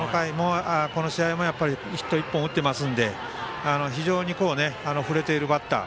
この試合もヒット１本打ってますので非常に振れてるバッター。